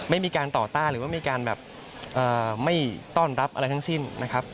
ไม่มีการต่อต้านหรือว่ามีการแบบไม่ต้อนรับอะไรทั้งสิ้นนะครับ